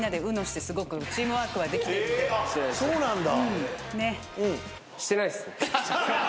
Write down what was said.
へぇそうなんだ。